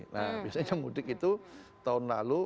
nah biasanya mudik itu tahun lalu